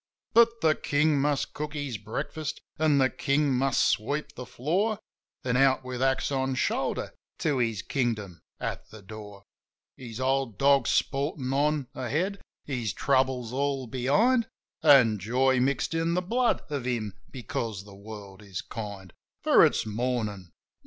But the king must cook his breakfast, an' the king must sweep the floor; Then out with axe on shoulder to his kingdom at the door, 26 JIM OF THE HILLS His old dog sportin' on ahead, his troubles all behind, An' joy mixed in the blood of him because the world is kind. For it's Mornin' !